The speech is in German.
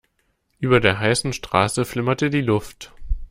Über der heißen Straße flimmerte die Luft.